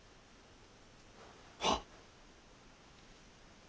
はっ。